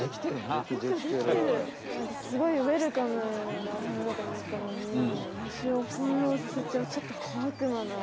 なんかすごいウエルカムなお花だとおもったのに虫をほんろうさせちゃうちょっとこあくまな。